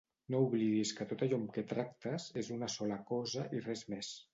No oblidis que tot allò amb què tractes és una sola cosa i res més.